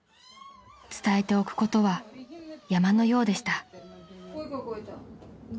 ［伝えておくことは山のようでした］